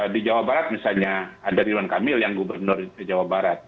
di jawa barat misalnya ada ridwan kamil yang gubernur jawa barat